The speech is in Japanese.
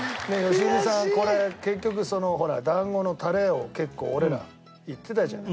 良純さんこれ結局そのほら団子のタレを結構俺ら言ってたじゃない。